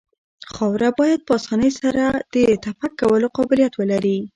خاوره باید په اسانۍ سره د تپک کولو قابلیت ولري